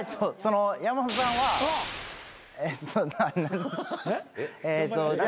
山本さんはえっとえっと。